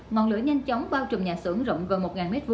ngọn lửa nhanh chóng bao trùm nhà xưởng rộng gần một m hai